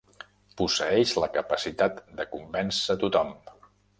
Posseeix la capacitat de convèncer tothom.